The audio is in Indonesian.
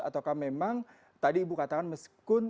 ataukah memang tadi ibu katakan meskipun